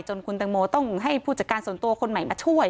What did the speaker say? คุณตังโมต้องให้ผู้จัดการส่วนตัวคนใหม่มาช่วย